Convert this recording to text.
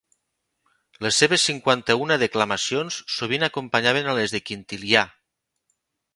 Les seves cinquanta-una declamacions sovint acompanyaven a les de Quintilià.